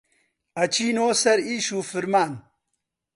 ئەچینۆ سەر ئیش و فرمان